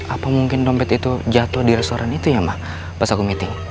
apa mungkin dompet itu jatuh di restoran itu ya mak pas aku meeting